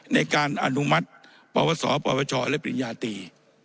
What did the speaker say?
ในการอนุมัติปวชปวชและปริญญาตี